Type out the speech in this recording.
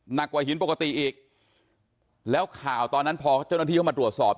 หนักกว่าหินปกติอีกแล้วข่าวตอนนั้นพอเจ้าหน้าที่เข้ามาตรวจสอบ